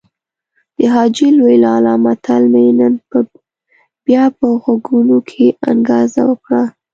د حاجي لوی لالا متل مې نن بيا په غوږونو کې انګازه وکړه.